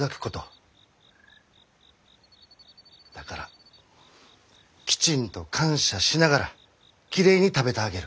だからきちんと感謝しながらきれいに食べてあげる。